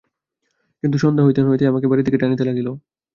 কিন্তু সন্ধ্যা হইতে না হইতেই আমাকে বাড়ির দিকে টানিতে লাগিল।